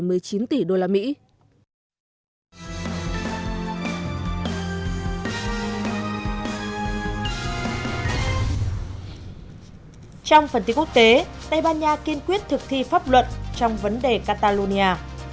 trong phần tiết quốc tế tây ban nha kiên quyết thực thi pháp luận trong vấn đề catalonia